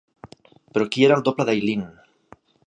Però qui era el doble d'Eileen.